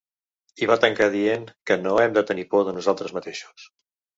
I va tancar dient que «no hem de tenir por de nosaltres mateixos».